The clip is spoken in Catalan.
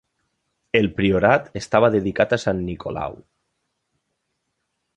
El priorat estava dedicat a Sant Nicolau.